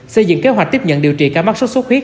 xây dựng kế hoạch tiếp nhận điều trị ca mắc sốt xuất huyết